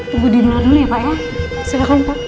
tunggu di luar dulu ya pak ya